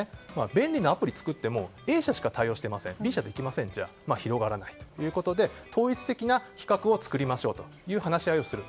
便利なアプリを使ってもＡ社しか対応していませんじゃ広がらないということで統一的な規格を作りましょうという話し合いをする。